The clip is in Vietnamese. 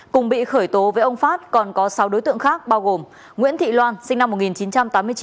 cùng bị khởi tố với ông phát còn có sáu đối tượng khác bao gồm